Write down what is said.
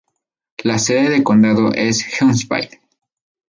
La sede de condado es Huntsville.